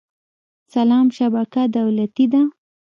سلام شبکه دولتي ده